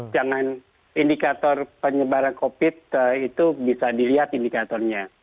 jangan indikator penyebaran covid itu bisa dilihat indikatornya